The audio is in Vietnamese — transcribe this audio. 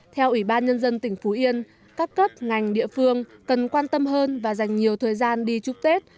theo ủy ban nhân dân tỉnh phú yên các cấp ngành địa phương cần quan tâm hơn và dành nhiều thời gian đi chúc tết